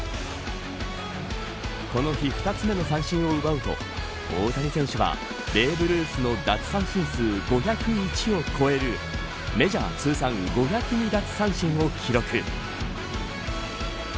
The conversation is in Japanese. この日２つ目の三振を奪うと大谷選手はベーブ・ルースの奪三振数５０１を超えるメジャー通算５０２奪三振を記録。